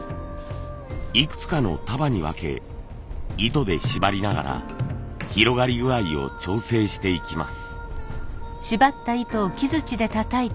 いくつかの束に分け糸で縛りながら広がり具合を調整していきます。